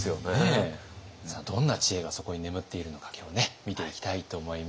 さあどんな知恵がそこに眠っているのか今日はね見ていきたいと思います。